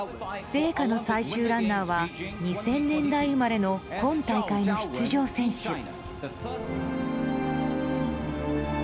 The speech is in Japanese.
聖火の最終ランナーは２０００年代生まれの今大会の出場選手。